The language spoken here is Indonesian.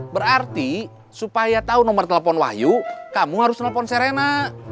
berarti supaya tahu nomor telepon wahyu kamu harus nelpon serena